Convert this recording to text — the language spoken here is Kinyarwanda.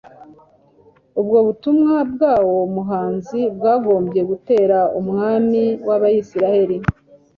Ubwo butumwa bwuwo muhanuzi bwagombye gutera umwami wAbisirayeli